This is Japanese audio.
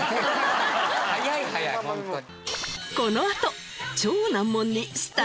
早い早いホントに。